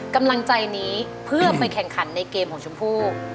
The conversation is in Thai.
กำลังใจนี้เพื่อไปแข่งขันในเกมของชมพู่